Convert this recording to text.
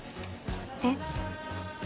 えっ？